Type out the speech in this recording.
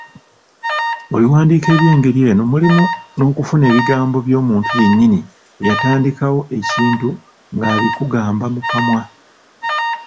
Mu biwandiiko eby’engeri eno mulimu n’okufuna ebigambo by’omuntu yennyini eyatandikawo ekintu ng’abikugamba mu kamwa.